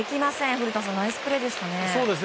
古田さんナイスプレーでしたね。